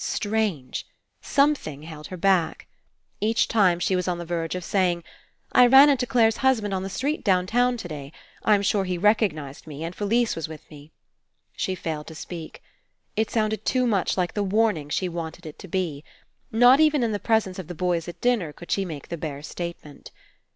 Strange. Something held her back. Each time she was on the verge of saying: "I ran into Clare's husband on the street downtown to day. I'm sure he recognized me, and Felise was with me," she failed to speak. It sounded too much like the warning she wanted it to be. Not even in the presence of the boys at dinner could she make the bare statement.